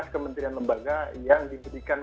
kementerian lembaga yang diberikan